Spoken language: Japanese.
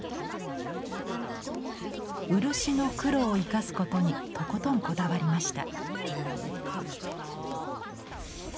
漆の黒を生かすことにとことんこだわりました。